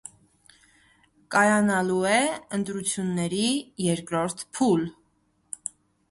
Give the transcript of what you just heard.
Կայանալու է ընտրությունների երկրորդ փուլ։